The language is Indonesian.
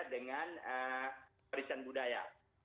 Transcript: dengan perisan budaya